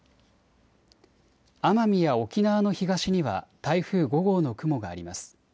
奄美や沖縄の東には台風５号の雲があります。